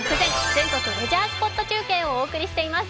全国レジャースポット中継をお送りしています。